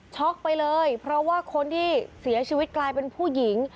ไปเลยเพราะว่าคนที่เสียชีวิตกลายเป็นผู้หญิง